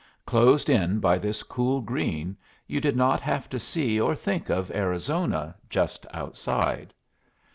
Closed in by this cool green, you did not have to see or think of Arizona, just outside.